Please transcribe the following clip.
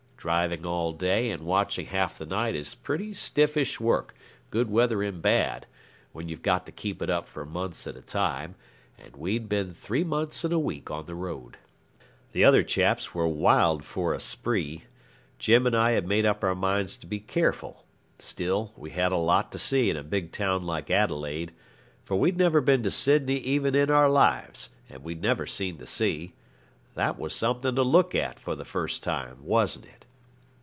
Driving all day and watching half the night is pretty stiffish work, good weather and bad, when you've got to keep it up for months at a time, and we'd been three months and a week on the road. The other chaps were wild for a spree. Jim and I had made up our minds to be careful; still, we had a lot to see in a big town like Adelaide; for we'd never been to Sydney even in our lives, and we'd never seen the sea. That was something to look at for the first time, wasn't it?